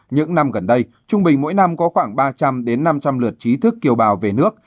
những năm gần đây trung bình mỗi năm có khoảng ba trăm linh năm trăm linh lượt trí thức kiều bào về nước